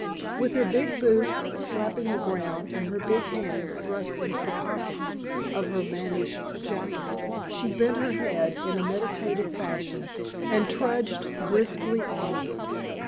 With her big boots slapping the ground and her big hands thrust into the pockets of her mannish jacket, she bent her head in a meditative fashion and trudged briskly onward.